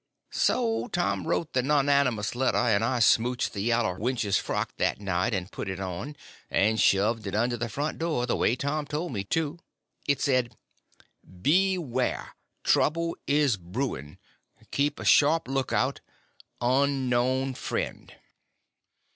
So Tom he wrote the nonnamous letter, and I smouched the yaller wench's frock that night, and put it on, and shoved it under the front door, the way Tom told me to. It said: Beware. Trouble is brewing. Keep a sharp lookout. UNKNOWN FRIEND.